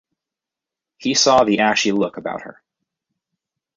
He saw the ashy look about her.